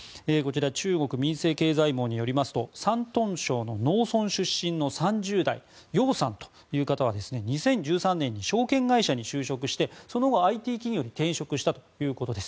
中国民生経済網によりますと山東省の農村出身の３０代ヨウさんという方は２０１３年に証券会社に就職してその後ＩＴ企業に転職したということです。